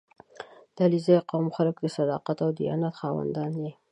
• د علیزي قوم خلک د صداقت او دیانت خاوندان دي.